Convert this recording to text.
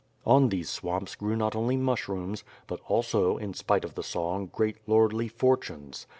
On these swamps grew not only mushrooms, but also, in spite of the song, great lordly fortunes.